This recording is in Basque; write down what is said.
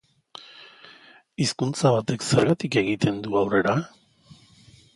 Hizkuntza batek zergatik egiten du aurrera?